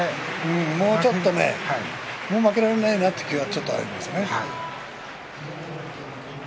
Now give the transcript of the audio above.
もう負けられないなという気はちょっとありますよね。